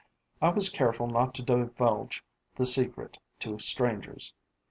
I was careful not to divulge the secret to strangers.